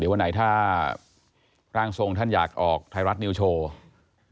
วันไหนถ้าร่างทรงท่านอยากออกไทยรัฐนิวโชว์